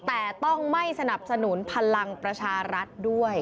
แต่ต้องไม่สนับสนุนพลังประชารัฐด้วย